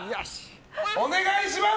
お願いします！